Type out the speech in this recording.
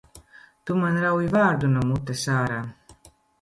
Tu man rauj vārdu no mutes ārā!